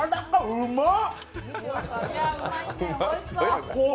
うまっ！